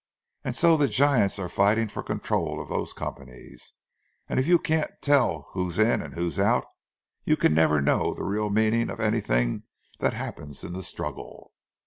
And so the giants are fighting for the control of those companies; and you can't tell who's in and who's out—you can never know the real meaning of anything that happens in the struggle.